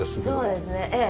そうですねええ。